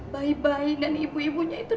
bayi bayi dan ibu ibunya itu